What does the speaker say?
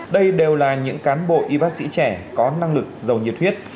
đây đều là những cán bộ y bác sĩ trẻ có năng lực giàu nhiệt huyết